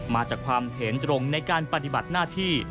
มาจากความเห็นตรงในการปฏิบัติหน้าที่